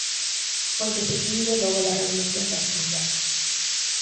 Foi destituído logo da revolución de Asturias.